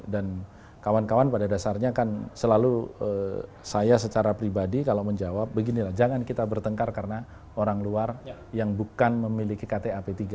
dan kawan kawan pada dasarnya kan selalu saya secara pribadi kalau menjawab beginilah jangan kita bertengkar karena orang luar yang bukan memiliki kta p tiga